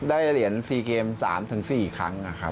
ได้เหรียญ๔เกม๓๔ครั้งนะครับ